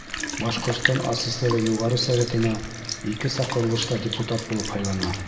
Башҡортостан АССР-ы Юғары Советына ике саҡырылышта депутат булып һайлана.